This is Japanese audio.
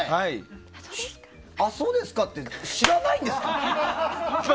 あ、そうですかって知らないんですか？